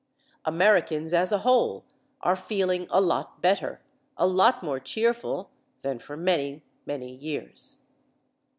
Americans as a whole are feeling a lot better a lot more cheerful than for many, many years.